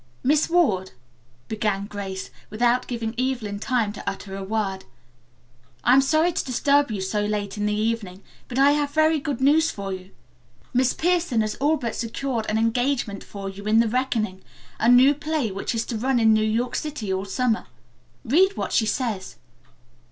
"Miss Ward," began Grace, without giving Evelyn time to utter a word, "I am sorry to disturb you so late in the evening, but I have very good news for you. Miss Pierson has all but secured an engagement for you in 'The Reckoning,' a new play which is to run in New York City all summer. Read what she says."